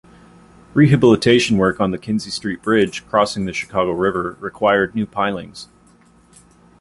Rehabilitation work on the Kinzie Street Bridge crossing the Chicago River required new pilings.